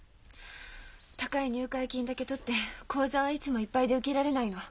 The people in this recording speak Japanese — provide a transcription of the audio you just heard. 高い入会金だけ取って講座はいつもいっぱいで受けられないの。